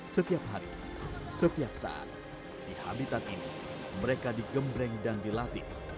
setiap hari setiap saat di habitat ini mereka digembreng dan dilatih